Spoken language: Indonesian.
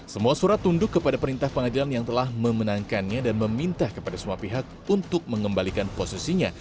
semua surat tunduk kepada perintah pengadilan yang telah memenangkannya dan meminta kepada semua pihak untuk mengembalikan posisinya